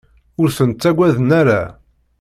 Ur ten-ttagaden ara.